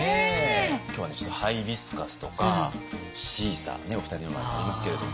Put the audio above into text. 今日はねちょっとハイビスカスとかシーサーねお二人の前にありますけれども。